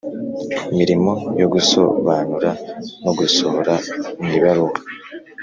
mirimo yo gusobanura no gusohora mwibaruwa